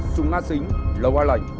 sùng nga xính lâu a lạnh